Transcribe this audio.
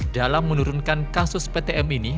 dalam menurunkan kasus ptm ini